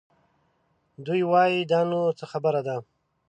دوی وايي دا نو څه خبره ده؟